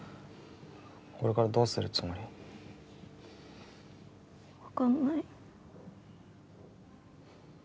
これからどうするつもり？分かんない。